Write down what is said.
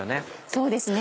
そうですね。